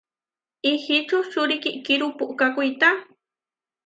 Ihí čučuri kiʼkíru puʼká kuitá.